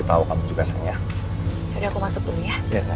nanti kamu pastikan aja